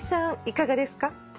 いかがですか？